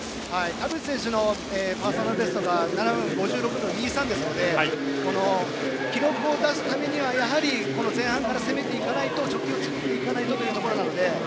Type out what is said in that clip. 田渕選手のパーソナルベストが７分５６秒２３ですので記録を出すためにはやはり前半から攻めていかないと貯金を作っていかないとというところなので。